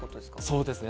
そうですね。